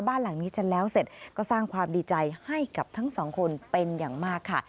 บ้านหลังนี้จะแล้วเสร็จก็สร้างความดีใจให้กับทั้งสองคนเป็นอย่างมากค่ะ